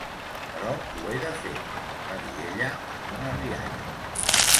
"Però ho he de fer", va dir ella amb una rialla.